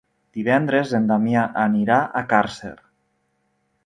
Divendres en Damià anirà a Càrcer.